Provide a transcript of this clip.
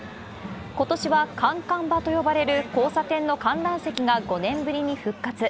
ことしはカンカン場と呼ばれる交差点の観覧席が５年ぶりに復活。